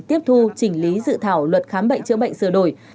tiếp thu chỉnh lý dự thảo luật khám bệnh chữa bệnh sửa đổi